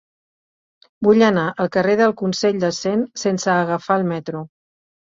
Vull anar al carrer del Consell de Cent sense agafar el metro.